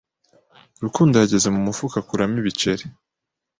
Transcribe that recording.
Rukundo yageze mu mufuka akuramo ibiceri.